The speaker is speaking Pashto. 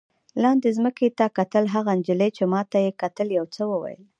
لاندې ځمکې ته کتل، هغې نجلۍ چې ما ته یې کتل یو څه وویل.